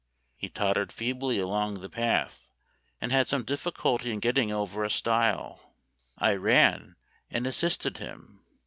He tottered feebly along the path, and had some difficulty in get ting over a stile. I ran and assisted him.